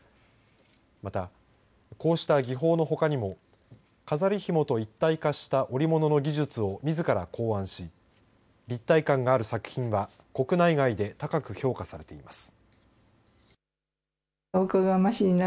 また、こうした技法のほかにも飾りひもと一体化した織物の技術をみずから考案し立体感がある作品は国内外で高く評価されています。